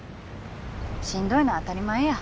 しんどいのは当たり前や。